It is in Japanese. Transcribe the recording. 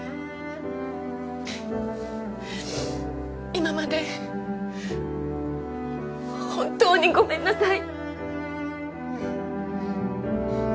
今まで本当にごめんなさい。